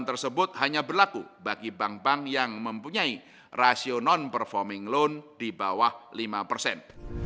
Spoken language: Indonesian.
dan tersebut hanya berlaku bagi bank bank yang mempunyai rasio non performing loan di bawah lima persen